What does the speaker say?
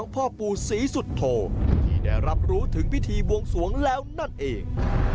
พิธีบวงสวงแล้วนั่นเอง